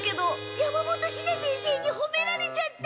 山本シナ先生にほめられちゃった！